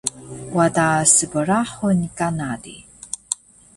wada sbrahun kana di